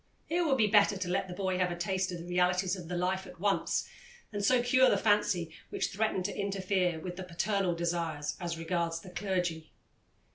It would be better to let the boy have a taste of the realities of the life at once, and so cure the fancy which threatened to interfere with the paternal desires as regards the clergy.